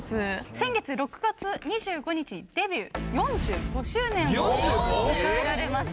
先月６月２５日デビュー４５周年を迎えられました。